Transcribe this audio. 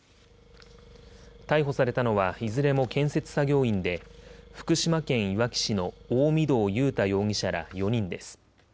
逮捕されたのはいずれも建設作業員で福島県いわき市の大御堂雄太容疑者ら４人です。